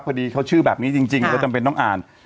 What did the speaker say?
พอดีเขาชื่อแบบนี้จริงแล้วจำเป็นต้องอ่าน